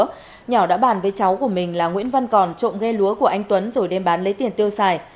trước đó nhỏ đã bàn với cháu của mình là nguyễn văn còn trộm ghe lúa của anh tuấn rồi đem bán lấy tiền tiêu xài